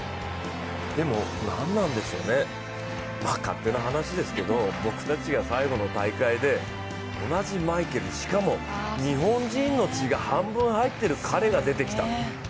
でも、何なんでしょうね、勝手な話ですけれども、僕たちが最後の大会で同じマイケル、しかも日本人の血が半分入ってる彼が出てきた。